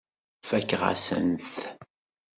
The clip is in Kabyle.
Fakeɣ-asent-t.